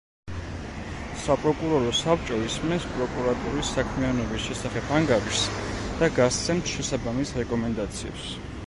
საპროკურორო საბჭო ისმენს პროკურატურის საქმიანობის შესახებ ანგარიშს და გასცემს შესაბამის რეკომენდაციებს.